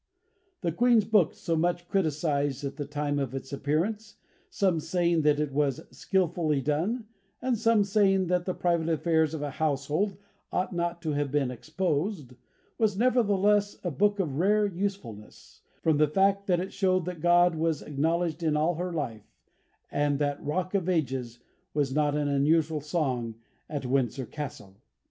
"The Queen's book, so much criticised at the time of its appearance, some saying that it was skilfully done, and some saying that the private affairs of a household ought not to have been exposed, was nevertheless a book of rare usefulness, from the fact that it showed that God was acknowledged in all her life, and that 'Rock of Ages' was not an unusual song at Windsor Castle.